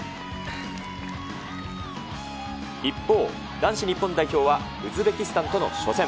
一方、男子日本代表は、ウズベキスタンとの初戦。